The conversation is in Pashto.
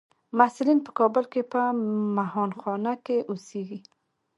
محصلین په کابل کې په مهانخانه کې اوسیږي.